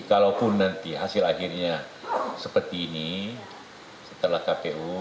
kalaupun nanti hasil akhirnya seperti ini setelah kpu